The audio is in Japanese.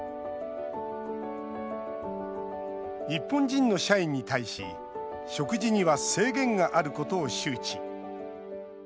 日本人の社員に対し食事には制限があることを周知。